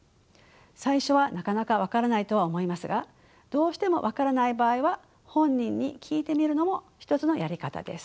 最初はなかなか分からないとは思いますがどうしても分からない場合は本人に聞いてみるのも一つのやり方です。